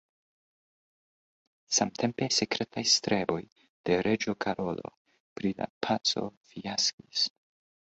Samtempe sekretaj streboj de reĝo Karolo pri la paco fiaskis.